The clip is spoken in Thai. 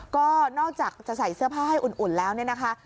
ก็นอกจากจะใส่เสื้อผ้าให้อุ่นแล้วเนี่ยนะคะ